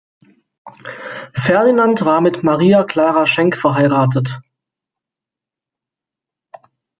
Ferdinand war mit Maria Clara Schenk verheiratet.